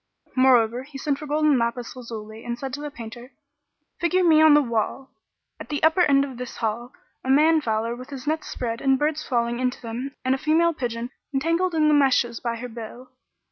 Moreover he sent for gold and lapis lazuli[FN#40] and said to the painter, "Figure me on the wall, at the upper end of this hall, a man fowler with his nets spread and birds falling into them and a female pigeon entangled in the meshes by her bill."